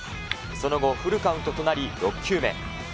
その後、フルカウントとなり、６球目。